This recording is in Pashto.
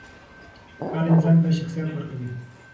کار انسان ته شخصیت ورکوي.